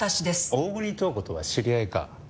大國塔子とは知り合いか？